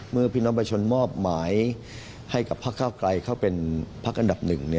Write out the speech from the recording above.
พี่น้องประชาชนมอบหมายให้กับพักเก้าไกลเข้าเป็นพักอันดับหนึ่ง